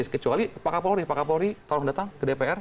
kecuali pak kapolri pak kapolri tolong datang ke dpr